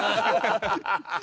ハハハハ！